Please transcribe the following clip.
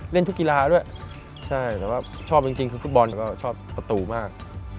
เล่นธุรกีฬาด้วยชอบจริงคือฟุตบอลชอบประตูมาก